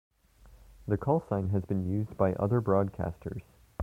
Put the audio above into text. The call sign has been used by other broadcasters.